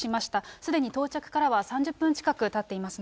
すでに到着からは３０分近くたっていますね。